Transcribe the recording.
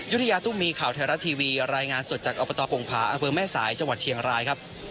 ยุฒิยาตุมีข่าวไทยรัฐทีวีรายงานสดจากอัปตาปรงภาอแม่สายจเชียงราย